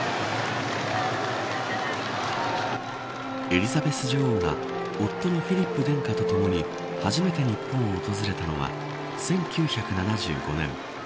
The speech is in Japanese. エリザベス女王が夫のフィリップ殿下とともに初めて日本を訪れたのは１９７５年。